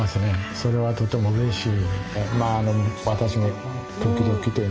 それはとてもうれしい。